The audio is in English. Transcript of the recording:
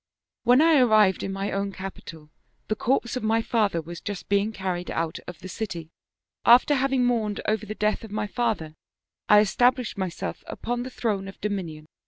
" When I arrived in my own capital the corpse of my father was just being carried out of the city. After having mourned over the death of my father I established myself upon the throne of dominion.